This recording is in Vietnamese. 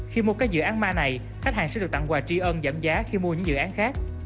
khi mua các dự án ma này khách hàng sẽ được tặng quà tri ân giảm giá khi mua những dự án khác